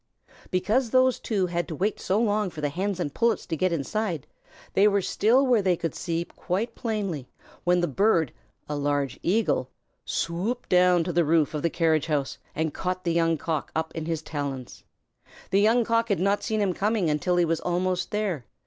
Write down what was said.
Because these two had to wait so long for the Hens and Pullets to get inside, they were still where they could see quite plainly when the bird, a large Eagle, swooped down to the roof of the carriage house and caught the Young Cock up in his talons. The Young Cock had not seen him coming until he was almost there.